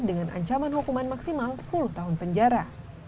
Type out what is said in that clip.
dengan ancaman hukuman maksimal sepuluh tahun penjara